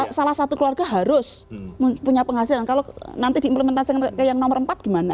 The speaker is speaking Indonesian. kalau dia terus punya penghasilan kalau nanti diimplementasi yang nomor empat gimana